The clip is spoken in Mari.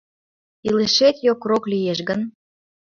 Илышет йокрок лиеш гын